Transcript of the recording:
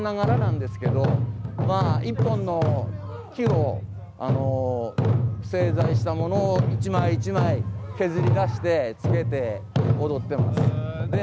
これはカンナガラなんですけど１本の木を製材したものを１枚１枚削りだして、つけて踊ってます。